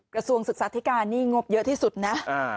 กระทรวงศึกษาธิการนี่งบเยอะที่สุดนะ